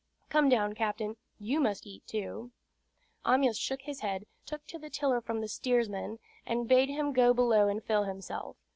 "Come down, captain; you must eat too." Amyas shook his head, took the tiller from the steersman, and bade him go below and fill himself.